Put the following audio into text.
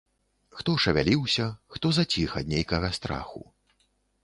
Хто шавяліўся, хто заціх ад нейкага страху.